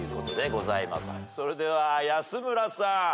それでは安村さん。